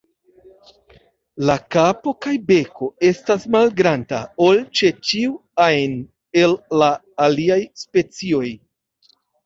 La kapo kaj beko estas malgranda ol ĉe ĉiu ajn el la aliaj specioj.